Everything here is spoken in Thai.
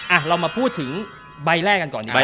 อ่ะเรามาพูดถึงใบแรกก่อนก่อน